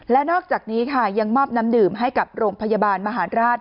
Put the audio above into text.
และนอกจากนี้ค่ะยังมอบน้ำดื่มให้กับโรงพยาบาลมหาราช